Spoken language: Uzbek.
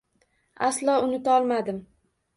Аslo unutolmadim.